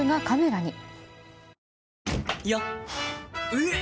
えっ！